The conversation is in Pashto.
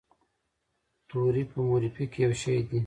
توري په مورفي کې یو شی دي.